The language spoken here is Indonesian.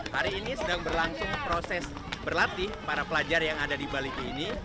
hari ini sedang berlangsung proses berlatih para pelajar yang ada di baliki ini